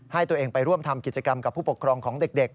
ให้ตัวเองไปร่วมทำกิจกรรมกับผู้ปกครองของเด็ก